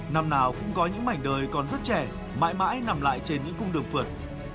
năm nào cũng có những mảnh đời còn rất trẻ mãi mãi nằm lại trên những cung đường phượt